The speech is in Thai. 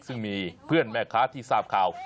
ซึ่งมีเพื่อนแม่ค้าที่ทราบข่าว